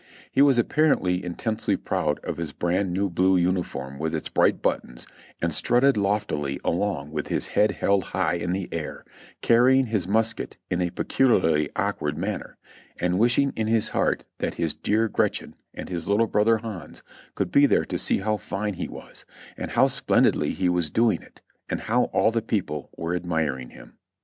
He was apparently intensely proud of his brand new blue uniform with its bright buttons, and strutted loftily along with his head held high in the air, carrying his musket in a peculiarly awkward manner, and wishing in his heart that his dear Gretchen and his little brother Hans could be there to see how fine he was, and how splendidly he was doing it, and how all the people were ad miring him.